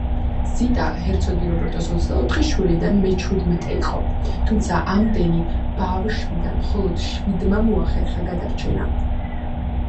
ზიტა ჰერცოგი რობერტოს ოცდაოთხი შვილიდან მეჩვიდმეტე იყო, თუმცა ამდენი ბავშვიდან მხოლოდ შვიდმა მოახერხა გადარჩენა.